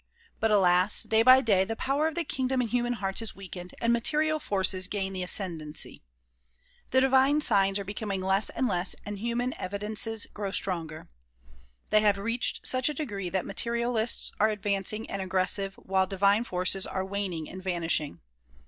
But alas! day by day the power of the kingdom in human hearts is weakened and material forces gain the ascendency. The divine signs are becoming less and less and human evidences grow stronger. They have reached such a degree that materialists are advancing and aggressive while divine forces are waning and vanishing.